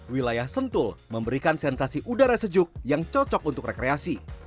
wilayah sentul memberikan sensasi udara sejuk yang cocok untuk rekreasi